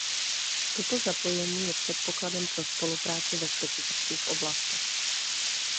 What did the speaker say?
Toto zapojení je předpokladem pro spolupráci ve specifických oblastech.